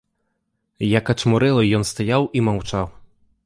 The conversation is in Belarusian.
Як ачмурэлы ён стаяў і маўчаў.